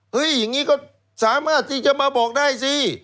อย่างนี้ก็สามารถที่จะมาบอกได้สิ